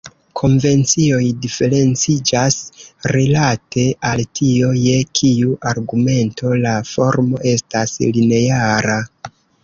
Konvencioj diferenciĝas rilate al tio je kiu argumento la formo estas lineara.